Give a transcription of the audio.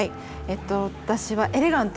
私はエレガントを。